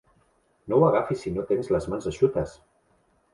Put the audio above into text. No ho agafis si no tens les mans eixutes!